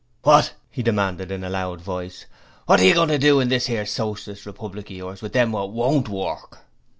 'What,' he demanded, in a loud voice, 'what are you goin' to do, in this 'ere Socialist Republic of yours, with them wot WON'T WORK'!'